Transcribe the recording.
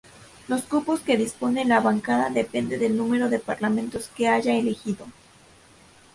Los cupos que dispone la bancada dependen del número de parlamentarios que haya elegido.